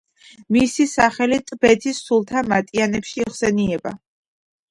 მისი სახელი ტბეთის სულთა მატიანეში იხსენიება.